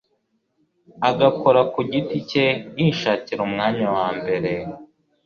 agakora ku giti cye yishakira umwanya wa mbere,